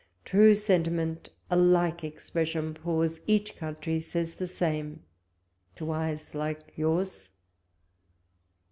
True sentiment a like expression pours; Each country says the same to eyes like yours.